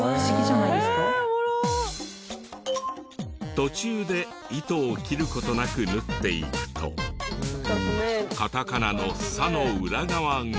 途中で糸を切る事なく縫っていくとカタカナの「サ」の裏側が。